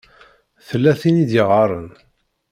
Tella tin i d-iɣaṛen.